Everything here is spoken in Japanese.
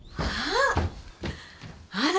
ああ。